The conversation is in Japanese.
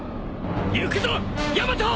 行くぞヤマト！